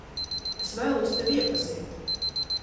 Es vēlos tevi iepazīt.